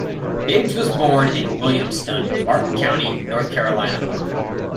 Biggs was born in Williamston, Martin County, North Carolina.